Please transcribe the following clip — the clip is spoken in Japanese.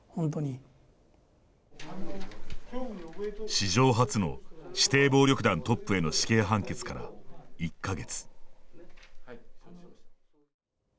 史上初の指定暴力団トップへの死刑判決から１か月。